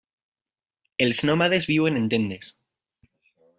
Els nòmades viuen en tendes.